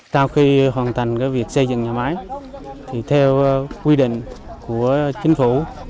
sau khi hoàn thành việc xây dựng nhà máy theo quy định của chính phủ